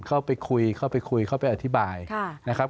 เข้าไปคุยเข้าไปคุยเข้าไปอธิบายนะครับ